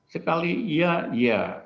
sekali iya dia